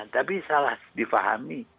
tapi salah difahami